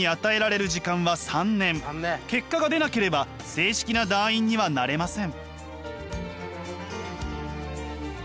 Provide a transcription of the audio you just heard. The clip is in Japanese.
結果が出なければ正式な団員にはなれません。